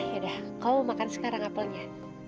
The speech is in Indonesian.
yaudah kau makan sekarang apelnya